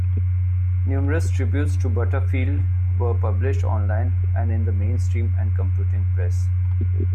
Numerous tributes to Butterfield were published online and in the mainstream and computing press.